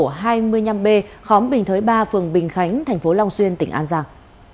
tổ hai mươi năm b khóm bình thới ba phường bình khánh tp long xuyên tỉnh an giang